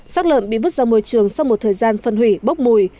sát lợn bị vứt ra môi trường sau một thời gian phân hủy bốc mùi